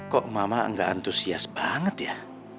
kok mama nggak antusias banget ya